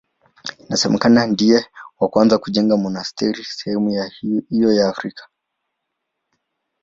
Inasemekana ndiye wa kwanza kujenga monasteri sehemu hiyo ya Afrika.